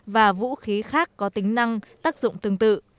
và vũ khí khác có tính năng tác dụng tương tự